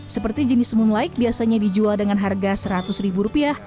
seperti jenis semun light biasanya dijual dengan harga seratus ribu rupiah